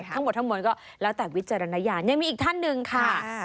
ทั้งหมดทั้งมวลก็แล้วแต่วิจารณญาณยังมีอีกท่านหนึ่งค่ะ